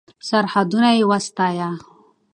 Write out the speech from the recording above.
سرښندنه یې وستایه.